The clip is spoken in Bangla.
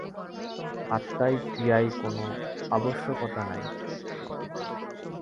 আত্মায় ক্রিয়ার কোন আবশ্যকতা নাই।